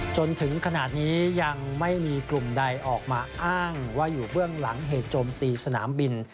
จนถึงขนาดนี้ยังไม่มีกลุ่มใดออกมาอ้างว่าอยู่เบื้องหลังเหตุโจมตีสนามบิน